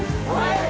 はい！